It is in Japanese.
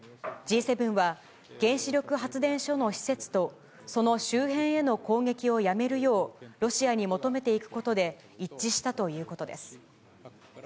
Ｇ７は、原子力発電所の施設とその周辺への攻撃をやめるようロシアに求めていくことで一致したということです。